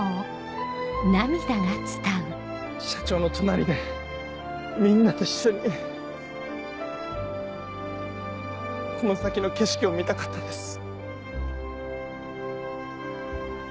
社長の隣でみんなと一緒にこの先の景色を見たかったです。